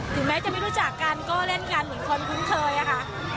แม้จะไม่รู้จักกันก็เล่นกันเหมือนคนคุ้นเคยอะค่ะ